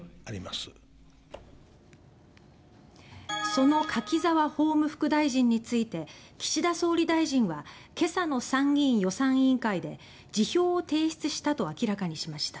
その柿沢法務副大臣について岸田総理大臣は今朝の参議院予算委員会で辞表を提出したと明らかにしました。